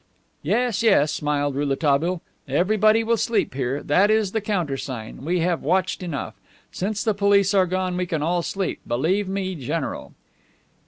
"Yes, yes," smiled Rouletabille, "everybody will sleep here. That is the countersign. We have watched enough. Since the police are gone we can all sleep, believe me, general."